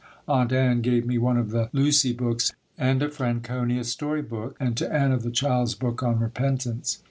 Aunt Ann gave me one of the Lucy books and a Franconia story book and to Anna, "The Child's Book on Repentance."